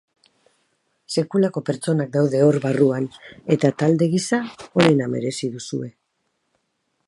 Sekulako pertsonak daude hor barruan, eta talde gisa onena merezi duzue.